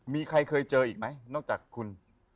มีใครเคยเจออีกไหมนอกจากคุณ